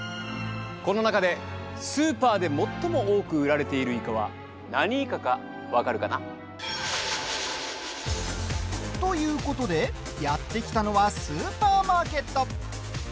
この中でスーパーで最も多く売られているイカは何イカか分かるかな？ということで、やって来たのはスーパーマーケット。